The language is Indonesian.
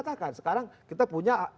katakan sekarang kita punya